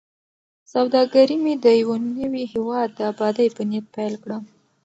سوداګري مې د یوه نوي هیواد د ابادۍ په نیت پیل کړه.